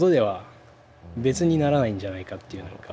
別にならないんじゃないかっていう何か。